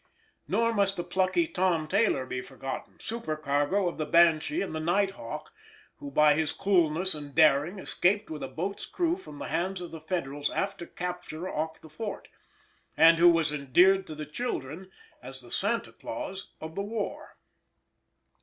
Nor must the plucky Tom Taylor be forgotten, supercargo of the Banshee and the Night Hawk, who, by his coolness and daring, escaped with a boat's crew from the hands of the Federals after capture off the fort, and who was endeared to the children as the "Santa Claus" of the war.